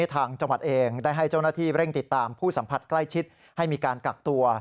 ทางจังหวัดเองได้ให้เจ้าหน้าที่เร่งติดตามผู้สัมผัสใกล้ชิดให้มีการกักตัว